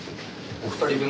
お二人分？